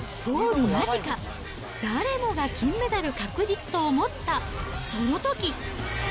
ゴール間近、誰もが金メダル確実と思ったそのとき。